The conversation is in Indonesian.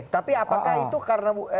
tapi apakah itu karena